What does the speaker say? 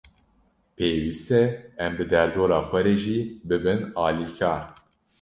Pêwîst e em bi derdora xwe re jî bibin alîkar.